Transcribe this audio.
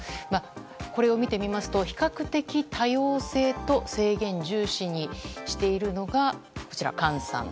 これを見てみると比較的多様性と制限重視にしているのが菅さん。